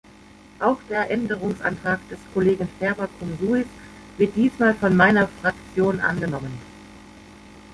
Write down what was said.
Auch der Änderungsantrag des Kollegen Ferber cum suis wird diesmal von meiner Fraktion angenommen.